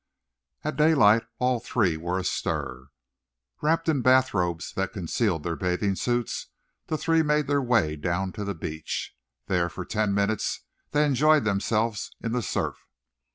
At daylight all three were astir. Wrapped in bathrobes that concealed their bathing suits the three made their way down to the beach. There, for ten minutes, they enjoyed themselves in the surf.